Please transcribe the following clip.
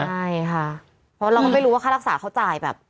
ใช่ค่ะเพราะเราก็ไม่รู้ว่าค่ารักษาเขาจ่ายแบบ